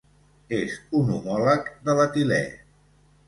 És un homòleg de l'etilè.